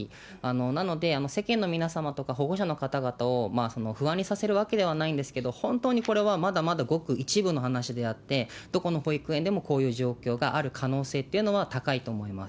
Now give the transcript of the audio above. なので、世間の皆様とか、保護者の方々を不安にさせるわけではないんですけど、本当にこれはまだまだごく一部の話であって、どこの保育園でもこういう状況がある可能性っていうのは高いと思います。